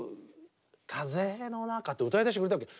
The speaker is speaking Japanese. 「風のなか」って歌い出してくれたわけ。